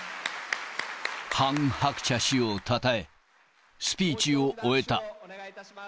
ハン・ハクチャ氏をたたえ、スピーチを終えた。